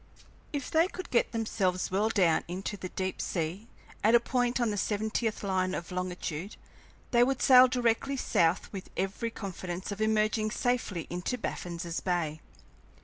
If they could get themselves well down into the deep sea at a point on the seventieth line of longitude, they would sail directly south with every confidence of emerging safely into Baffin's Bay.